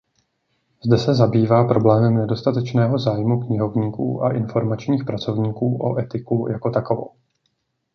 Zde se zabývá problémem nedostatečného zájmu knihovníků a informačních pracovníků o etiku jako takovou.